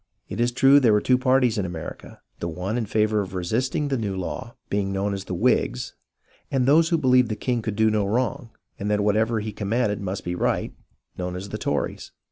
It is true there were two parties in America, — the one in favour of resisting the new law being known as the Whigs, and those who believed the king could do no wrong, and that whatever he commanded must be right, known as the Tories.